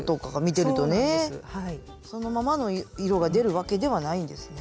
そのままの色が出るわけではないんですね。